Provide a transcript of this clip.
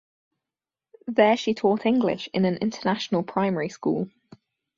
There she taught English in an international primary school.